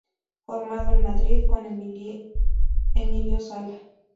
Formado en Madrid con Emilio Sala.